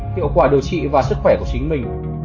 hiệu quả điều trị và sức khỏe của chính mình